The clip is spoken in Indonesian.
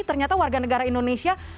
ternyata warga negara indonesia